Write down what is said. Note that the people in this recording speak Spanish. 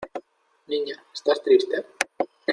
¿ niña, estás triste?